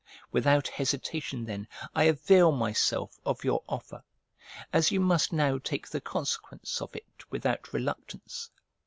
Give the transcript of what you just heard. Without hesitation then I avail myself of your offer; as you must now take the consequence of it without reluctance.